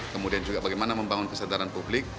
kemudian juga bagaimana membangun kesadaran publik